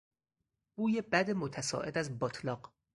بوی بد متصاعد از باتلاق